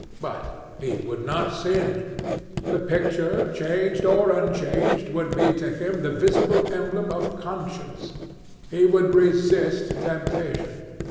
But he would not sin. The picture, changed or unchanged, would be to him the visible emblem of conscience. He would resist temptation.